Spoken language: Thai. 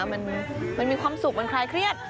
มันมีความสุขมันคลายเครียด